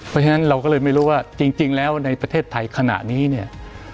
เพราะฉะนั้นเราก็เลยไม่รู้ว่าจริงแล้วในประเทศไทยขณะนี้เนี่ย